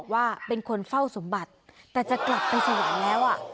ว่าเป็นคนเฝ้าสมบัติแต่จะกลับไปสวรรค์แล้ว